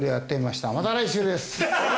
また来週です。